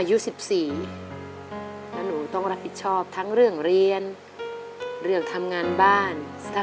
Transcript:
อายุ๑๔แล้วหนูต้องรับผิดชอบทั้งเรื่องเรียนเรื่องทำงานบ้าน